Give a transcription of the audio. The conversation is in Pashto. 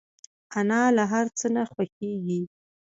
انا له هر څه نه خوښيږي